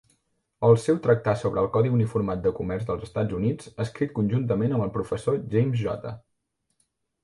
El seu tractar sobre el codi uniformat de comerç dels Estats Units, escrit conjuntament amb el professor James J.